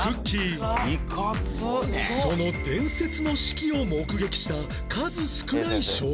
その伝説の式を目撃した数少ない証人は